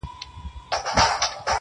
خوند ئې ښه دئ، را تله ئې!